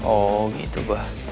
oh gitu bah